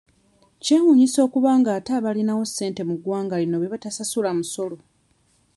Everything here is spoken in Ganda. Kyewuunyisa okuba nga ate abalinawo ssente mu ggwanga lino be batasasula musolo.